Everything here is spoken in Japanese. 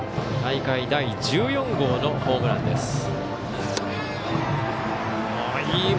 大会第１４号のホームランです。